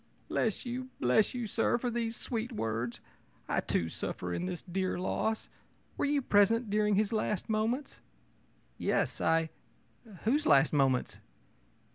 ō'Bless you! bless you, sir, for these sweet words! I, too, suffer in this dear loss. Were you present during his last moments?' ō'Yes. I whose last moments?'